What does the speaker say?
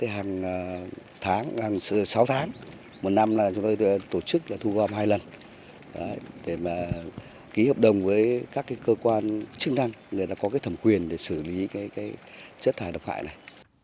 hàng tháng hàng sáu tháng một năm chúng tôi tổ chức thu vòm hai lần để ký hợp đồng với các cơ quan chức năng để có thẩm quyền để xử lý chất thải độc hại này